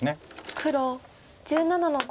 黒１７の五。